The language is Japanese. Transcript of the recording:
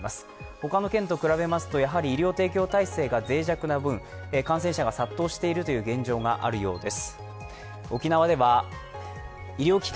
他の県と比べますと医療提供体制がぜい弱な分、感染者が殺到している現状があるようです。